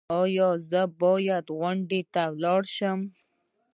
ایا زه باید غونډې ته لاړ شم؟